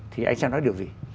thì anh sẽ nói điều gì